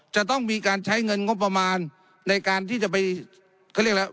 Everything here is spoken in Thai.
จะต้องมีการใช้เงินงบประมาณในการที่จะไปเขาเรียกอะไร